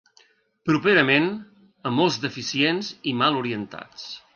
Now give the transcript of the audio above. Properament, amors deficients i mal orientats.